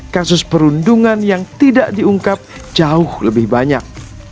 kasus perundungan yang tidak diungkap jauh lebih banyak